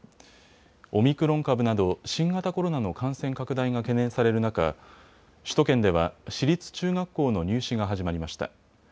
オミクロン株など新型コロナの感染拡大が懸念される中、首都圏では私立中学校の入試が始まりました。